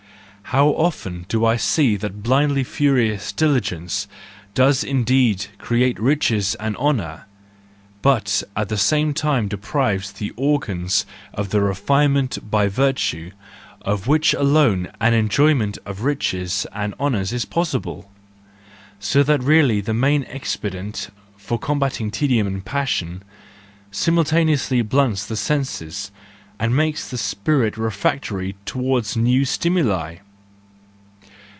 How often do I see that blindly furious diligence does indeed create riches and honours, but at the same time deprives the organs of the refinement by virtue of which alone an enjoyment of riches and honours is possible; so that really the main expedient for combating tedium and passion, simultaneously blunts the senses and makes the spirit refractory towards new stimuli!